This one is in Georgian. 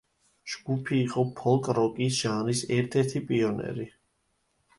ჯგუფი იყო ფოლკ-როკის ჟანრის ერთ-ერთი პიონერი.